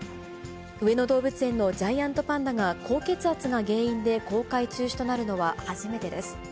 上野動物園のジャイアントパンダが高血圧が原因で公開中止となるのは初めてです。